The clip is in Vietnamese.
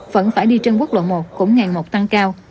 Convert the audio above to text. vẫn phải đi trên quốc lộ một cũng ngày một tăng cao